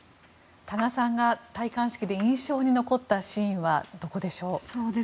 多賀さんが戴冠式で印象に残ったシーンはどこでしょう。